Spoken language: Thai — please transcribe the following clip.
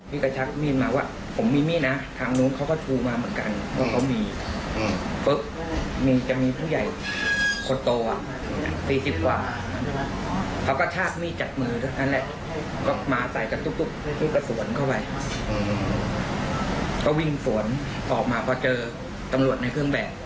เป็นเพราะว่ากล้องเยอะแต่เป็นหลักฐานให้เราแล้วถ้าเราทำก็จะมัดตัวเรา